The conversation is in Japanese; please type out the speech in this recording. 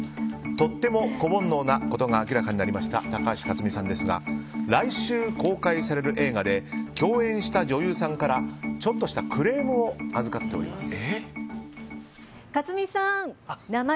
とっても子煩悩なことが明らかになりました高橋克実さんですが来週公開される映画で共演した女優さんからちょっとしたクレームを預かっております。